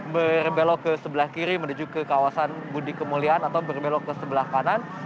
berbelok ke sebelah kiri menuju ke kawasan budi kemuliaan atau berbelok ke sebelah kanan